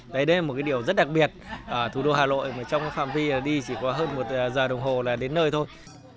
đấy đây là một cái điều rất đặc biệt ở thủ đô hà nội mà trong phạm vi đi chỉ có hơn một giờ đồng hồ là đến nơi thôi